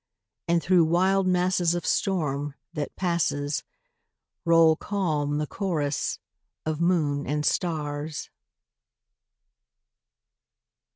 And through wild masses of storm, that passes, Roll calm the chorus of moon and stars.